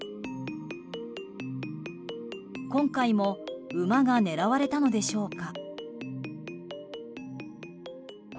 今回も馬が狙われたのでしょうか。